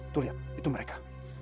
tuh lihat itu mereka